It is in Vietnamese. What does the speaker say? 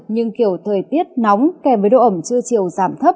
nhưng kiểu thời tiết nóng kèm với độ ẩm trưa chiều giảm thấp